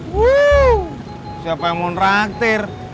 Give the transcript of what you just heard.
wuh siapa yang mau raktir